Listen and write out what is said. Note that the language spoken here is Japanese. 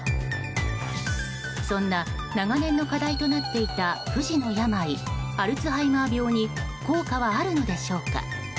そんな長年の課題となっていた不治の病アルツハイマー病に効果はあるのでしょうか？